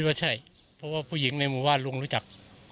ว่าใช่เพราะว่าผู้หญิงในหมู่บ้านลุงรู้จัก